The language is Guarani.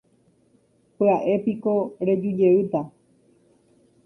Pya'épiko reju jeýta.